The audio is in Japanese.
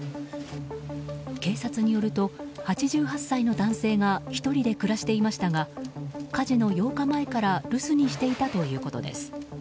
警察によると、８８歳の男性が１人で暮らしていましたが火事の８日前から留守にしていたということです。